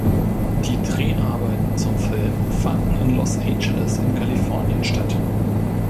Die Dreharbeiten zum Film fanden in Los Angeles in Kalifornien statt.